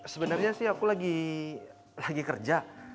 sebenarnya sih aku lagi kerja